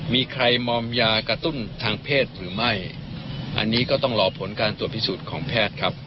มีใครมอมยากระตุ้นทางเพศหรือไม่อันนี้ก็ต้องรอผลการตรวจพิสูจน์ของแพทย์ครับ